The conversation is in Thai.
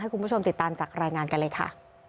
คุณผู้ชมติดตามจากรายงานกันเลยค่ะ